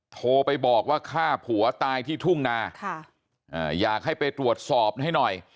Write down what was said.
โทรไปบอกว่าฆ่าผัวตายที่ทุ่งนาอยากให้ไปตรวจสอบให้หน่อย